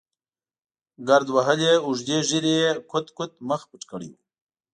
ګرد وهلې اوږدې ږېرې یې کوت کوت مخ پټ کړی و.